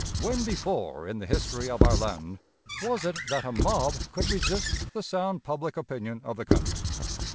When before in the history of our land was it that a mob could resist the sound public opinion of the country?